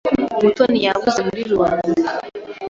Mutoni yabuze muri rubanda.